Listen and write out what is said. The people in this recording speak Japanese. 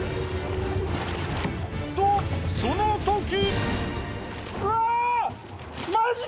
とそのとき！